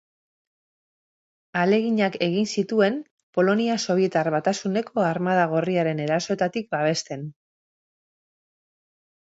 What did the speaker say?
Ahaleginak egin zituen Polonia Sobietar Batasuneko Armada Gorriaren erasoetatik babesten.